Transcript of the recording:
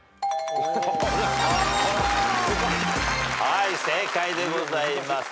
はい正解でございます。